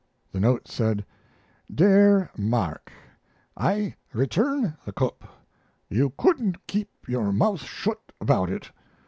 The note said: Dere Mark, i return the Cup. You couldn't keep your mouth shut about it.